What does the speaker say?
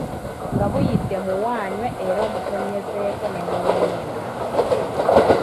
Nga buyidde muwe anywe era omutonnyezeeko ne mu nnyindo.